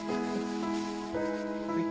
はい。